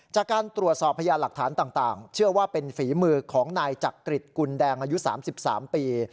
จากการตรวจสอบพยานหลักฐานต่างเชื่อว่าเป็นฝีมือของนายจักริตกุลแดงอายุ๓๓ปี